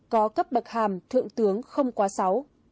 có cấp bậc hàm thượng tướng không quá sáu